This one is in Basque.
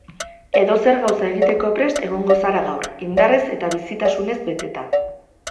Edozer gauza egiteko prest egongo zara gaur, indarrez eta bizitasunez beteta.